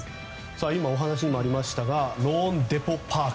今お話にもありましたがローンデポ・パーク